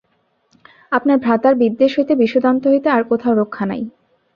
আপনার ভ্রাতার বিদ্বেষ হইতে, বিষদন্ত হইতে, আর কোথাও রক্ষা নাই।